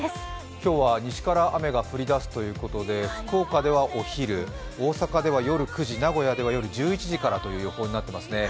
今日は西から雨が降り出すということで、福岡ではお昼、大阪では夜９時名古屋では夜１１時からという予報になっていますね。